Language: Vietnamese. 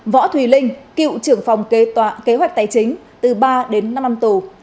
võ thùy linh cựu trưởng phòng kế hoạch tài chính từ ba đến năm năm tù